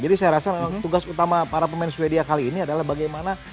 jadi saya rasa tugas utama para pemain swedia kali ini adalah bagaimana